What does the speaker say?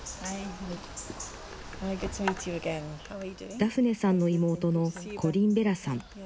ダフネさんの妹のコリン・ベラさん。